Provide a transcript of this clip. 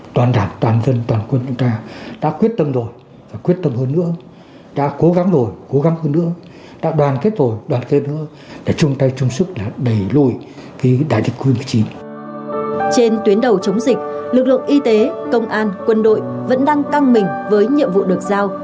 trên tuyến đầu chống dịch lực lượng y tế công an quân đội vẫn đang căng mình với nhiệm vụ được giao